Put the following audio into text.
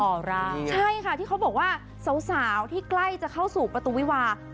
ใช่ค่ะที่เขาบอกว่าสาวที่ใกล้จะเข้าสู่ประตูวิวา